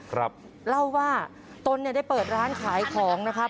ครับเล่าว่าตนเนี่ยได้เปิดร้านขายของนะครับ